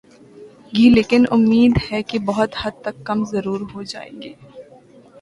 گی لیکن امید ہے کہ بہت حد تک کم ضرور ہو جائیں گی۔